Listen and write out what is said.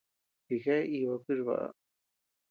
Jijea iba kuchbaʼa.